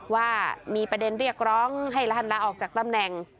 ว่ามีประเด็นเรียกร้องให้รัฐลาออกจากตำแหน่ง